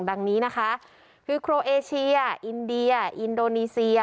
แบบนี้นะคะคือโครเอเชียอินเดียอินโดนีเซีย